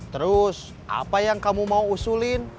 terus apa yang kamu mau usulin